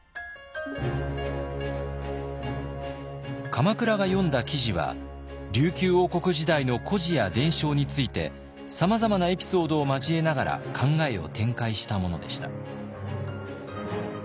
鎌倉が読んだ記事は琉球王国時代の故事や伝承についてさまざまなエピソードを交えながら考えを展開したものでした。